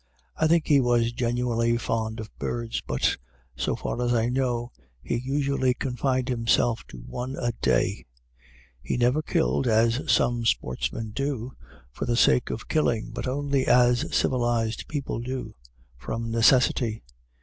I think he was genuinely fond of birds, but, so far as I know, he usually confined himself to one a day; he never killed, as some sportsmen do, for the sake of killing, but only as civilized people do, from necessity.